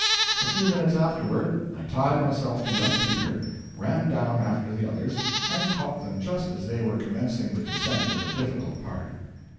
A few minutes afterward I tied myself to young Peter, ran down after the others, and caught them just as they were commencing the descent of the difficult part.